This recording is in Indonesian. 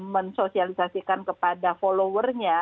men sosialisasikan kepada followernya